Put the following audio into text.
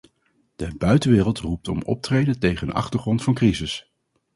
De buitenwereld roept om optreden tegen een achtergrond van crisis.